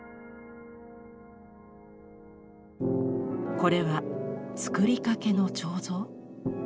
これは作りかけの彫像？